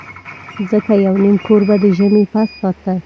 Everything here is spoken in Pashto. ځکه یو نیم کور به د ژمي پس ساته.